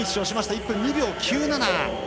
１分２秒９７。